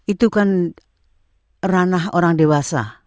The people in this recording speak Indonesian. itu kan ranah orang dewasa